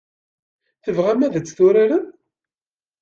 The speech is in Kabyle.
Tebɣam ad tt-turarem?